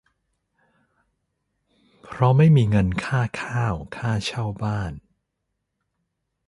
เพราะไม่มีเงินค่าข้าว ค่าเช่าบ้าน